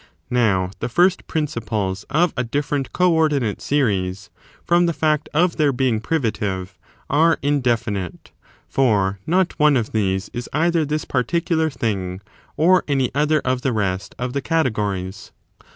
Now, the first principles of a different co ordinate series, from the &ct of their being privative, are indefinite ; for not one of these is either this particular thing, or any other of the rest of the categories.